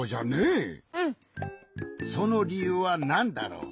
そのりゆうはなんだろう？